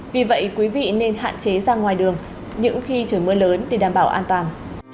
vì vậy quý vị nên hạn chế ra ngoài đường những khi trời mưa lớn để đảm bảo an toàn